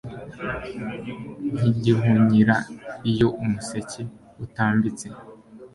Nkigihunyira iyo umuseke utambitse